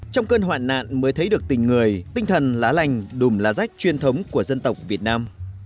trong cơn hoạn nạn mới thấy được tình người tinh thần lá lành đùm lá rách truyền thống của dân tộc việt nam